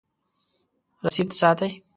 رسید ساتئ؟